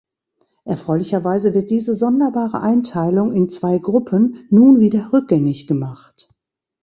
Erfreulicherweise wird diese sonderbare Einteilung in zwei Gruppen nun wieder rückgängig gemacht.